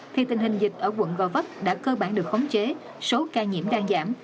thì tình hình dịch ở quận gò vấp đã cơ bản được khống chế số ca nhiễm đang giảm